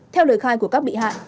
theo lời khai của các bị hại